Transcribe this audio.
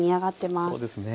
そうですね。